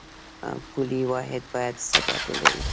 پولي واحد باید ثبات ولري